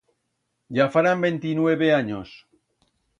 Ya farán ventinueve anyos.